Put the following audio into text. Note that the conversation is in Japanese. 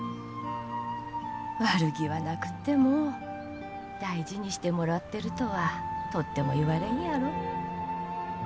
悪気はなくっても大事にしてもらってるとはとっても言われんやろ？